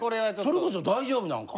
それこそ大丈夫なんか？